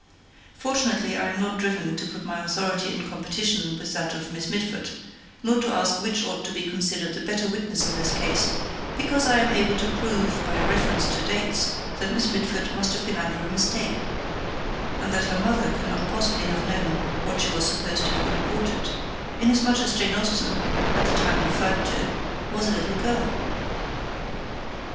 Fortunately I am not driven to put my authority in competition with that of Miss Mitford, nor to ask which ought to be considered the better witness in this case; because I am able to prove by a reference to dates that Miss Mitford must have been under a mistake, and that her mother could not possibly have known what she was supposed to have reported; inasmuch as Jane Austen, at the time referred to, was a little girl.